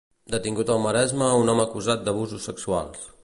Detingut al Maresme un home acusat d'abusos sexuals.